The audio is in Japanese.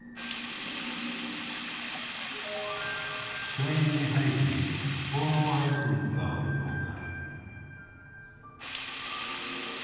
書院に入り鴻の間へと向かう廊下。